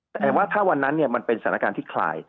แต่ว่าถ้าวันนั้นมันเป็นสถานการณ์ที่คลาย